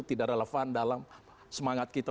tidak relevan dalam semangat kita